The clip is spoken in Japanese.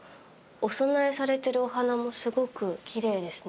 お供えされてるお花もすごくきれいですね。